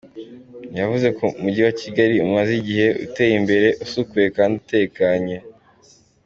Yavuze ko Umujyi wa Kigali umaze igihe, uteye imbere, usukuye kandi utekanye.